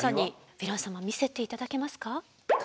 ヴィラン様見せて頂けますか？